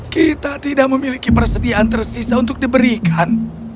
kita tidak memiliki persediaan tersisa untuk diberikan